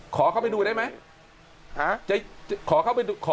ขอเข้าไปดูได้ไหม